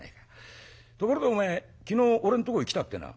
ところでおめえ昨日俺んとこへ来たってな」。